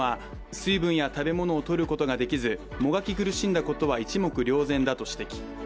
稀華ちゃんは水分や食べ物を取ることができずもがき苦しんだことは一目瞭然だと指摘。